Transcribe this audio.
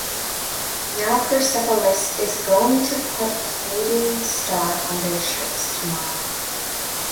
now Persepolis is going to put a fading star on their shirts tomorrow